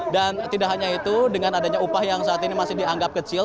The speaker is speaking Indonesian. dan tidak hanya itu dengan adanya upah yang saat ini masih dianggap kecil